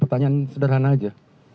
tanya sederhana saja